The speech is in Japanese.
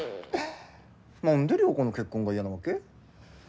何で良子の結婚が嫌なわけ？